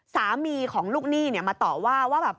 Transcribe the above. สามีของลูกหนี้มาต่อว่าว่าแบบ